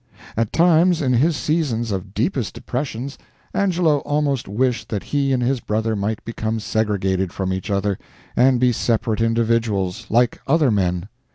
At times, in his seasons of deepest depressions, Angelo almost wished that he and his brother might become segregated from each other and be separate individuals, like other men.